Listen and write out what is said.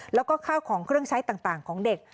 แล้วก็ข้าวของเครื่องใช้ต่างของเด็ก